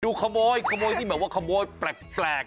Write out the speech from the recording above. ขโมยขโมยที่แบบว่าขโมยแปลก